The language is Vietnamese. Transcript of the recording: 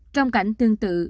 trong cảnh tương tự